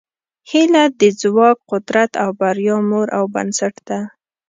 هیله د ځواک، قدرت او بریا مور او بنسټ ده.